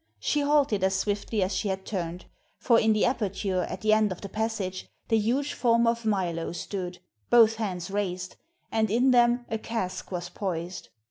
She halted as swiftly as she had turned; for in the aperture at the end of the passage the huge form of Milo stood, both hands raised, and in them a cask was poised.